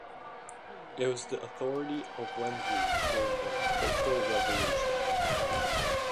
It was the authority of Wenzhou during the cultural revolution.